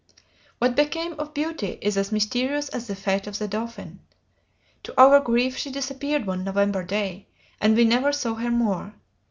"What became of Beauty is as mysterious as the fate of the Dauphin. To our grief, she disappeared one November day, and we never saw her more.